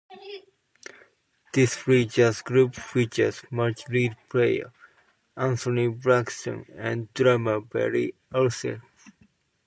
This free jazz group featured multi-reed player Anthony Braxton and drummer Barry Altschul.